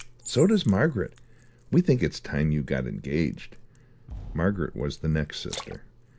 So does Margaret. We think it's time you got engaged." Margaret was the next sister.